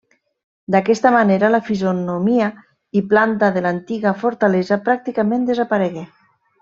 D'aquesta manera la fisonomia i planta de l'antiga fortalesa pràcticament desaparegué.